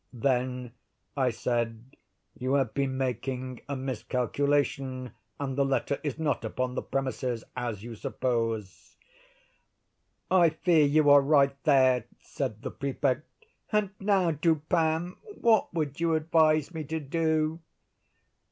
"Then," I said, "you have been making a miscalculation, and the letter is not upon the premises, as you suppose." "I fear you are right there," said the Prefect. "And now, Dupin, what would you advise me to do?"